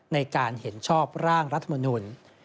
ในการเห็นชอบร่างรัฐมนุน